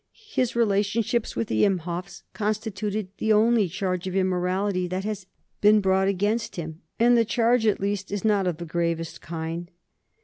His relationships with the Imhoffs constitute the only charge of immorality that has been brought against him, and the charge, at least, is not of the gravest kind.